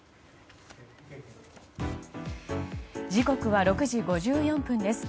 時刻は６時５４分です。